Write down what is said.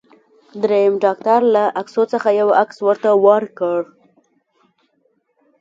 دریم ډاکټر له عکسو څخه یو عکس ورته ورکړ.